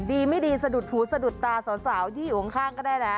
ดีไม่ดีสะดุดหูสะดุดตาสาวที่อยู่ข้างก็ได้นะ